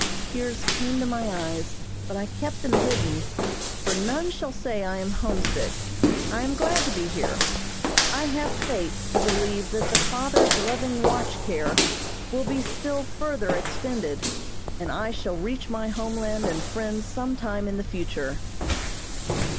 Tears came to my eyes, but I kept them hidden, for none shall say I am homesick; I am glad to be here. I have faith to believe that the Father's loving watch care will be still further extended, and I shall reach my homeland and friends some time in the future.